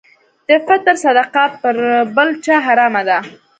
د فطر صدقه پر بل چا حرامه ده.